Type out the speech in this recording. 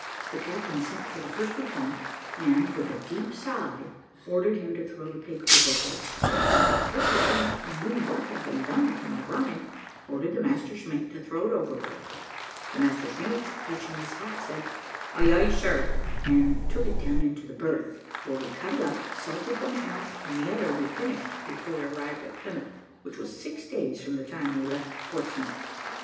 The captain sent for the first lieutenant, and, with a deep sigh, ordered him to throw the pig overboard; but the first lieutenant, who knew what had been done from O'Brien, ordered the master's mate to throw it overboard; the master's mate, touching his hat said, "Ay, ay, sir," and took it down into the berth, where we cut it up, salted one half, and the other we finished before we arrived at Plymouth, which was six days from the time we left Portsmouth.